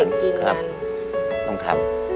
อย่างเด็กกินนะครับต้องทำ